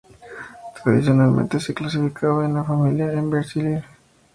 Tradicionalmente se clasificaba en la familia Emberizidae.